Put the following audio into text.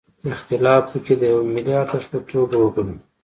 اختلاف پکې د یوه ملي ارزښت په توګه وګڼو.